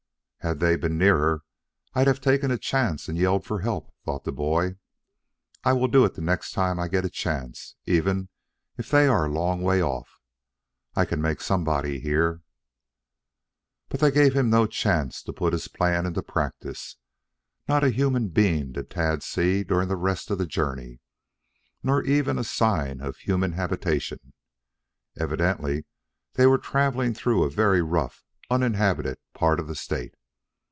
"Had they been nearer, I'd have taken a chance and yelled for help," thought the boy. "I will do it the next time I get a chance even if they are a long way off. I can make somebody hear." But they gave him no chance to put his plan into practice. Not a human being did Tad see during the rest of the journey, nor even a sign of human habitation. Evidently they were traveling through a very rough, uninhabited part of the state.